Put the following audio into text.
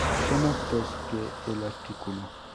Son actos que el artículo.